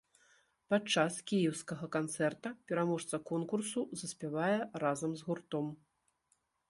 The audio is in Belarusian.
Падчас кіеўскага канцэрта пераможца конкурсу заспявае разам з гуртом.